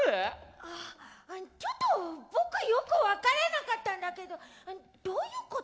あっちょっと僕よく分からなかったんだけどどういうこと？